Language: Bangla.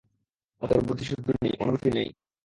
ওদের বুদ্ধিশুদ্ধি নেই, অনুভূতি নেই।